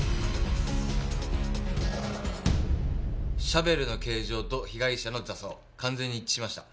シャベルの形状と被害者の挫創完全に一致しました。